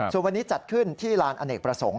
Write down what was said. ส่วนวันนี้จัดขึ้นที่ลานอเนกประสงค์